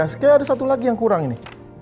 ski ada satu lagi yang kurang ini